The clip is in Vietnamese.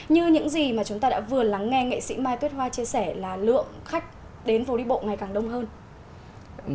như những gì mà chúng ta đã vừa lắng nghe nghệ sĩ mai tuyết hoa chia sẻ là lượng khách đến phố đi bộ ngày càng đông hơn